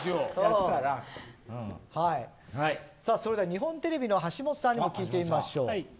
日本テレビの橋本さんにも聞いてみましょう。